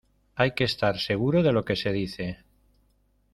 hay que estar seguro de lo que se dice